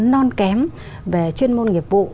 non kém về chuyên môn nghiệp vụ